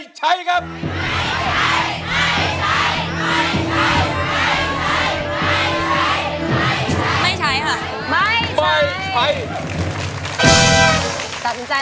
มาฟังอินโทรเพลงที่๑๐